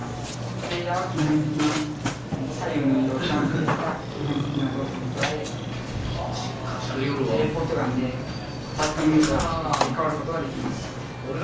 プレイヤーは基本的な左右の移動ジャンプといった基本的な動作に加えテレポートガンで当たったものと入れかわることができます。